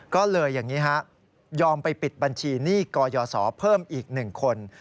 ก็เลยอย่างนี้ฮะยอมไปปิดบัญชีหนี้กยศเพิ่มอีก๑คน